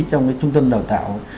trong cái trung tâm đào tạo